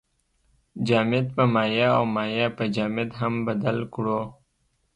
جامد په مایع او مایع په جامد هم بدل کړو.